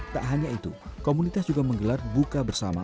tak hanya itu komunitas juga menggelar buka bersama